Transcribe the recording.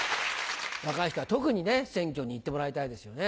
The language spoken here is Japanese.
若い人は特にね選挙に行ってもらいたいですよね。